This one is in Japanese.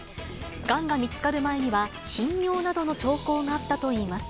がんが見つかる前には、頻尿などの兆候があったといいます。